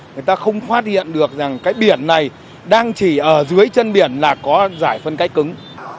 người ta không phát hiện được rằng cái biển này đang chỉ ở dưới chân biển là có giải phân cách cứng